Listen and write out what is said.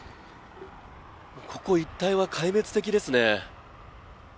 ここ一帯は壊滅的ですね。